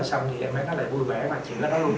xong thì em bé nó lại vui vẻ và chịu nó luôn